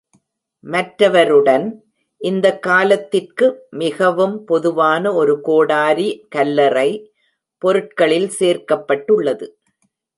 மற்றவற்றுடன், இந்த காலத்திற்கு மிகவும் பொதுவான ஒரு கோடாரி கல்லறை பொருட்களில் சேர்க்கப்பட்டுள்ளது.